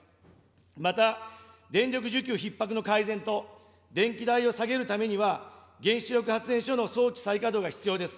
また、電力需給ひっ迫の改善と、電気代を下げるためには、原子力発電所の早期再稼働が必要です。